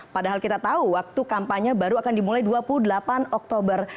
padahal kita tahu waktu kampanye baru akan dimulai dua puluh delapan oktober